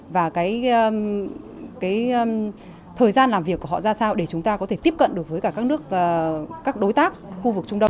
và cái thời gian làm việc của họ ra sao để chúng ta có thể tiếp cận được với cả các nước các đối tác khu vực trung đông